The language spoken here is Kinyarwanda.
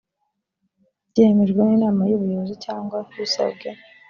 byemejwe n inama y ubuyobozi cyangwa bisabwe